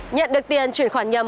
nhận được tiền chuyển khoản nhầm